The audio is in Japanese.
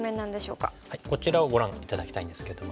こちらをご覧頂きたいんですけども。